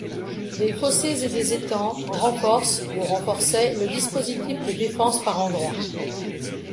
Des fossés et des étangs renforcent ou renforçaient le dispositif de défense par endroits.